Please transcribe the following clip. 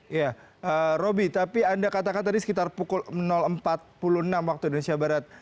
iya roby tapi anda katakan tadi sekitar pukul empat puluh enam waktu indonesia barat